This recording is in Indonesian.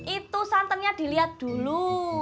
itu santannya dilihat dulu